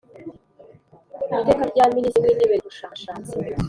Iteka rya Minisitiri w Intebe rishyiraho Umushakashatsi